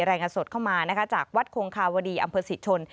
แรงอาสดเข้ามานะคะจากวัดโครงคาวดีอำเภอสิทชน